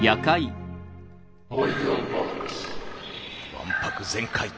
わんぱく全開。